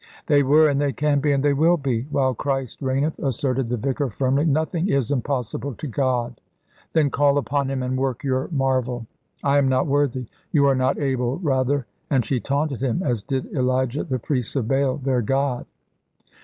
"They were and they can be and they will be, while Christ reigneth," asserted the vicar, firmly; "nothing is impossible to God." "Then call upon Him, and work your marvel." "I am not worthy." "You are not able, rather," and she taunted him as did Elijah the priests of Baal, their god.